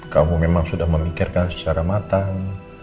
kamu memang sudah memikirkan secara matang